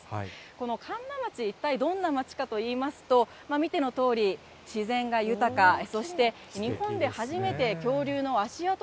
この神流町、一体どんな町かといいますと、見てのとおり、自然が豊か、そして日本で初めて恐竜の足跡